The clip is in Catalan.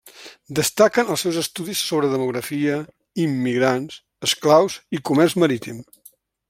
Destaquen els seus estudis sobre demografia, immigrants, esclaus i comerç marítim.